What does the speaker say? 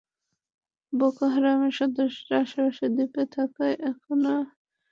Boko হারামের সদস্যরা আশপাশের দ্বীপে থাকায় এটা এখনো আমাদের জন্য নিরাপদ নয়।